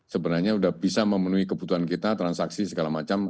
sebenarnya sudah bisa memenuhi kebutuhan kita transaksi segala macam